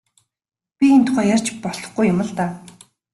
Би энэ тухай ярьж болохгүй юм л даа.